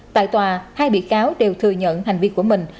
tại tòa hai bị cáo đều thừa nhận hành vi của mình